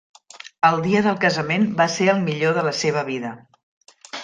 El dia del casament va ser el millor de la seva vida.